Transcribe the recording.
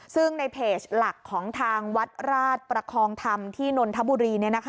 ซึ่งในเพจหลักของทางวัดราชประคองธรรมที่นนทบุรี